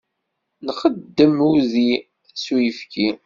Nxeddem-d udi s uyefki.